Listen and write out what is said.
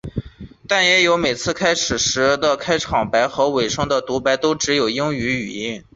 但也有每次开始游戏时的开场白和尾声的读白都是只有英语语音。